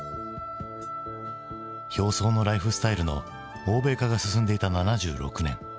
表層のライフスタイルの欧米化が進んでいた７６年。